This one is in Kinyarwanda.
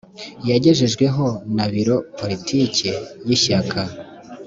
yagejejweho na biro politiki y ishyaka